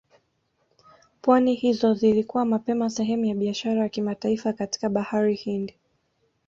pwani hizo zilikuwa mapema sehemu ya biashara ya kimataifa katika Bahari Hindi